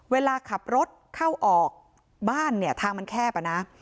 เวลาขับรถเข้าออกบ้านเนี่ยทางมันแคบอะนะ